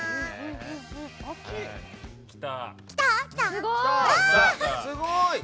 すごい！